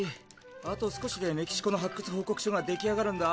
あと少しでメキシコの発掘報告書が出来上がるんだ。